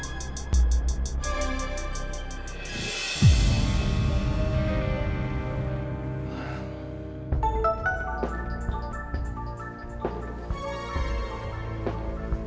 nanti aku bakal datang